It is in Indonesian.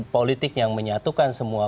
politik yang menyatukan semua